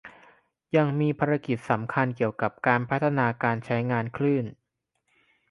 ยังมีภารกิจสำคัญเกี่ยวกับการพัฒนาการใช้งานคลื่น